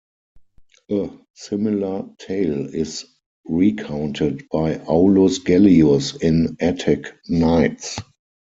A similar tale is recounted by Aulus Gellius in "Attic Nights".